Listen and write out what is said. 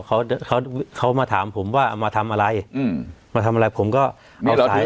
เขาเขาเขามาถามผมว่าเอามาทำอะไรอืมมาทำอะไรผมก็เอาสาย